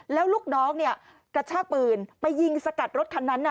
แล้วลูกน้องเนี่ยกระชากปืนไปยิงสกัดรถคันนั้น